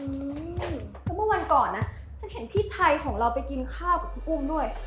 เพราะเมื่อวันก่อนนะฉันเห็นพี่ไทยของเราไปกินข้าวกับคุณอุ้มด้วย